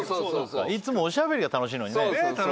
いつもおしゃべりが楽しいのにね。